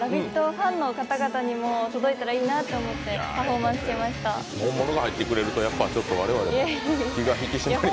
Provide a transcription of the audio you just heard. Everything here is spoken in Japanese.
ファンの方々にも届いたらいいなと思って本物が入ってくれると我々も気が引き締まります。